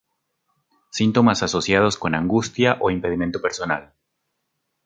Síntomas asociados con angustia o impedimento personal.